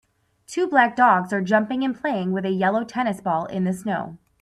Two black dogs are jumping and playing with a yellow tennis ball in the snow.